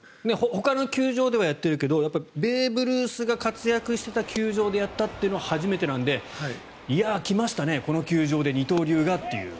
ほかの球場ではやっているけどベーブ・ルースが活躍していた球場でやったというのは初めてなので来ましたね、この球場で二刀流がっていう。